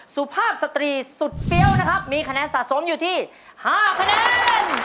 สุภาพสตรีสุดเฟี้ยวนะครับมีคะแนนสะสมอยู่ที่๕คะแนน